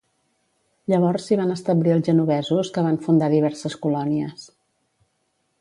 Llavors s'hi van establir els genovesos que van fundar diverses colònies.